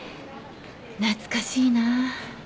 懐かしいな。